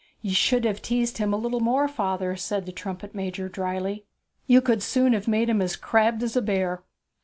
'You should have teased him a little more, father,' said the trumpet major drily. 'You could soon have made him as crabbed as a bear.'